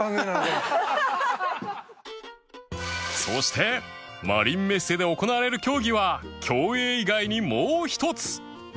そしてマリンメッセで行われる競技は競泳以外にもう一つ